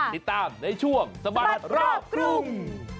ติดตามในช่วงสบัดรอบกรุง